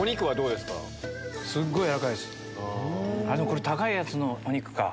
これ高いやつのお肉か。